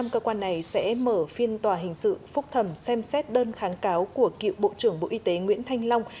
cơ quan này sẽ mở phiên tòa hình sự phúc thẩm xem xét đơn kháng cáo của cựu bộ trưởng bộ y tế nguyễn thanh long